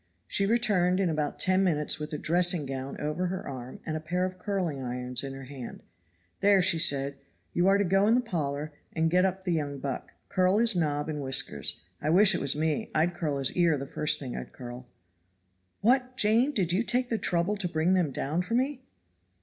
She returned in about ten minutes with a dressing gown over her arm and a pair of curling irons in her hand. "There," said she, "you are to go in the parlor, and get up the young buck; curl his nob and whiskers. I wish it was me, I'd curl his ear the first thing I'd curl." "What, Jane, did you take the trouble to bring them down for me?"